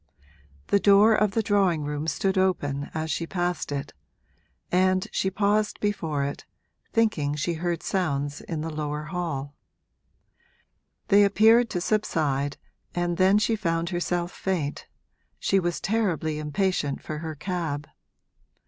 The door of the drawing room stood open as she passed it, and she paused before it, thinking she heard sounds in the lower hall. They appeared to subside and then she found herself faint she was terribly impatient for her cab.